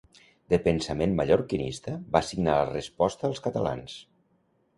De pensament mallorquinista, va signar la Resposta als catalans.